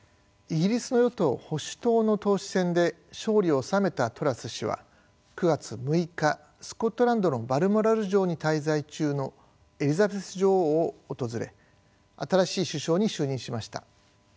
イギリスの与党・保守党の党首選で勝利を収めたトラス氏は９月６日スコットランドのバルモラル城に滞在中のエリザベス女王を訪れ新しい首相に就任しました。